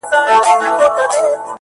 • مرغکۍ دلته ګېډۍ دي د اغزیو ,